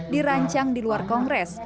dirancang di luar kongres